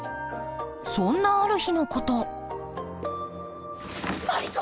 そんなある日のことマリ子！